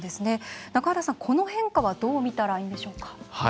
中原さん、この変化はどう見たらいいんでしょうか。